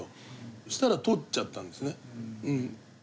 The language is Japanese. そしたら通っちゃったんですね。